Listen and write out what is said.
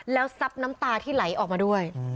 แล้วซับน้ำตาที่ไหลออกมาด้วย